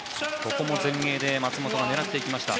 ここも前衛で松本が狙っていきました。